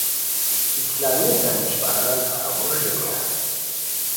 اسلامی دانشوران ہموݰ رینیان